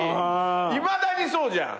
いまだにそうじゃん。